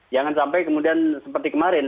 jangan sampai kemudian seperti kemarin